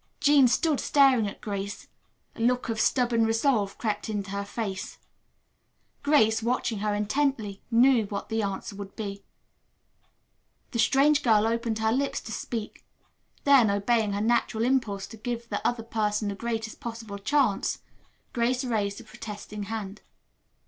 Jean stood staring at Grace. A look of stubborn resolve crept into her face. Grace, watching her intently, knew what the answer would be. The strange girl opened her lips to speak. Then, obeying her natural impulse to give the other person the greatest possible chance, Grace raised a protesting hand.